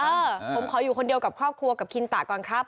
เออผมขออยู่คนเดียวกับครอบครัวกับคินตะก่อนครับ